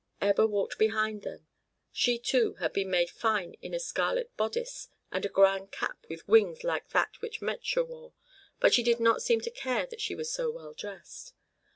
Ebba walked behind them. She, too, had been made fine in a scarlet bodice and a grand cap with wings like that which Metje wore, but she did not seem to care that she was so well dressed.